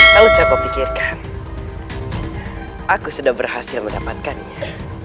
kalau setelah kau pikirkan aku sudah berhasil mendapatkannya